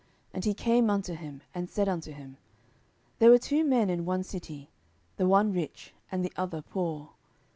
And he came unto him, and said unto him, There were two men in one city; the one rich, and the other poor.